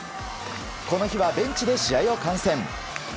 この日はベンチで試合を観戦。